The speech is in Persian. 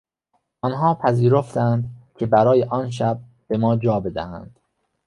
آنها پذیرفتند که برای آنشب به ما جا بدهند.